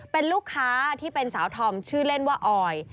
เป็นลูกค้าที่เป็นสาวธอมชื่อเล่นว่าออย